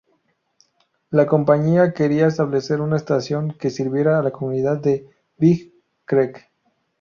La compañía quería establecer una estación que sirviera a la comunidad de Big Creek.